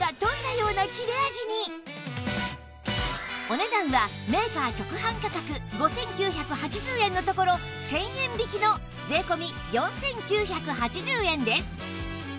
お値段はメーカー直販価格５９８０円のところ１０００円引きの税込４９８０円です